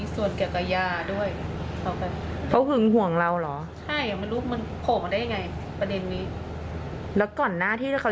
ตั้งแต่พรุ่งหนึ่งเลิกงานมาก็ยังไม่ได้กินข้าว